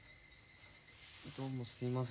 どうもすいません。